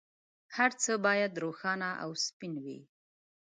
هر څه باید روښانه او سپین وي.